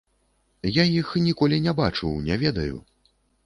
Я іх ніколі не бачыў, не ведаю.